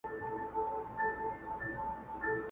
جهاني کله له ډیوو سره زلمي را وزي!